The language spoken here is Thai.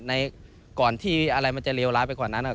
ก่อนที่อะไรมันจะเลวร้ายไปกว่านั้น